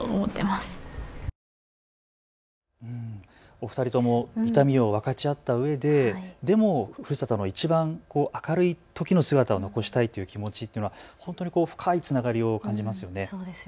お二人とも痛みを分かち合ったうえで、でもふるさとのいちばん明るいときの姿を残したいっていう気持ちっていうのは本当に深いつながりを感じますよね。